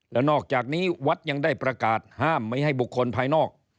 แล้วนอกจากนี้วัดยังได้ประกาศห้ามไม่ให้บุคคลภายนอก